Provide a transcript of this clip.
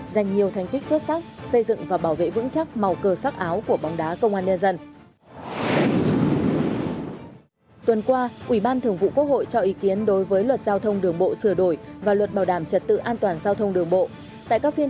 dành nhiều thành tích xuất sắc xây dựng và bảo vệ vững chắc màu cờ sắc áo của bóng đá công an nhân dân